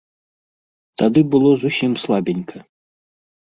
Тады было зусім слабенька.